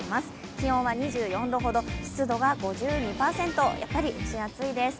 気温は２４度ほど、湿度は５２％、やっぱり蒸し暑いです。